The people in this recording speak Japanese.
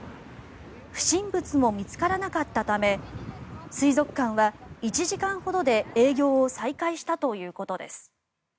不審物も見つからなかったため水族館は１時間ほどで営業を再開したということです。